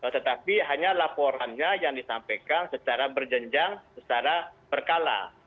tetapi hanya laporannya yang disampaikan secara berjenjang secara berkala